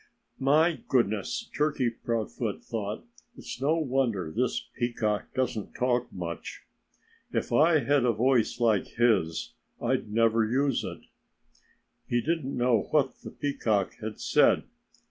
"My goodness!" Turkey Proudfoot thought. "It's no wonder this Peacock doesn't talk much. If I had a voice like his I'd never use it." He didn't know what the peacock had said.